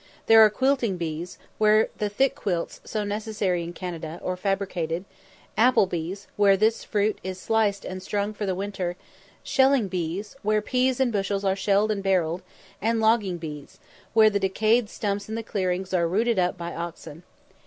There are "quilting bees," where the thick quilts, so necessary in Canada, are fabricated; "apple bees," where this fruit is sliced and strung for the winter; "shelling bees," where peas in bushels are shelled and barrelled; and "logging bees," where the decayed stumps in the clearings are rooted up by oxen.